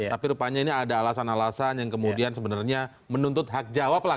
tapi rupanya ini ada alasan alasan yang kemudian sebenarnya menuntut hak jawab lah